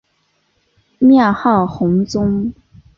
庙号弘宗。